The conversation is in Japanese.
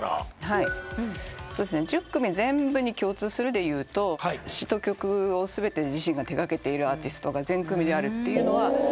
１０組全部に共通するでいうと詞と曲を全て自身が手掛けているアーティストが全組であると。